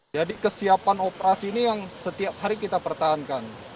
jadi kesiapan operasi ini yang setiap hari kita pertahankan